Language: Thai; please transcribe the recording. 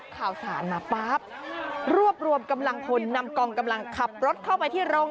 เต็มไปหมดแต่สองข้างทาง